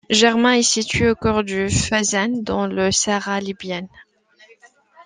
Germa est située au cœur du Fezzan, dans le Sahara libyen.